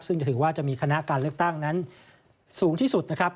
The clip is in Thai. ซึ่งจะถือว่าจะมีคณะการเลือกตั้งนั้นสูงที่สุดนะครับ